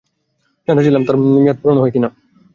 জানতে চাইলাম তাঁর মেয়াদ পুরো হয়নি, কেন তবু প্রস্তাব করা হলো।